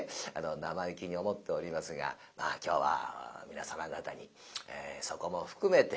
生意気に思っておりますがまあ今日は皆様方にそこも含めて楽しんで頂ければと思います。